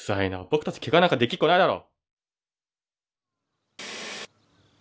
僕たちけがなんかできっこないだろ！